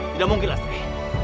tidak mungkin lasri